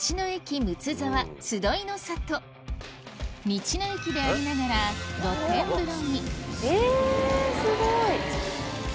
道の駅でありながら露天風呂にえぇすごい。